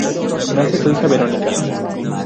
Nace su hija Verónica.